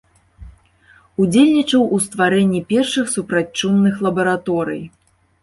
Удзельнічаў ў стварэнні першых супрацьчумных лабараторый.